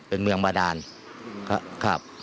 เป็นเมืองบาดานครับ